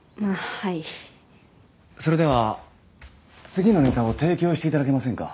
はいそれでは次のネタを提供していただけませんか？